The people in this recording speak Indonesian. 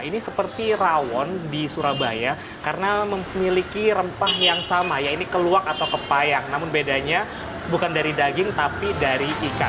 ini seperti rawon di surabaya karena memiliki rempah yang sama yaitu keluak atau kepayang namun bedanya bukan dari daging tapi dari ikan